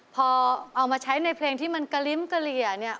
พอเอามาใช้ในเพลงที่มันกระลิ้มเกลี่ยเนี่ย